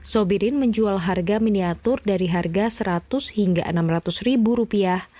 sobirin menjual harga miniatur dari harga seratus hingga enam ratus ribu rupiah